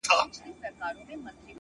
بلا وهلی يم؛ چي تا کوم بلا کومه؛